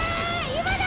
今だ